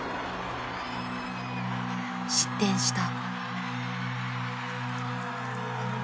失点した。